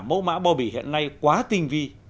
mẫu mã bobby hiện nay quá tinh vi